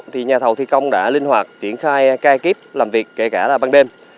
thì nhà thầu thi công đã linh hoạt triển khai ca kíp làm việc kể cả là ban đêm